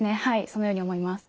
そのように思います。